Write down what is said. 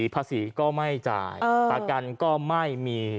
ภาษีก็ไม่จ่ายประกันก็ไม่มี